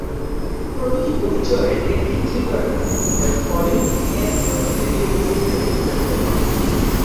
প্রতিটি পরিচয়ের একটি ট্রিগার থাকে যার ফলে তিনি এক চরিত্র থেকে অন্য চরিত্রে রূপান্তরিত হন।